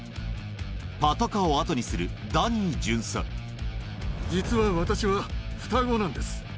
パトカーを後にするダニー巡実は私は双子なんです。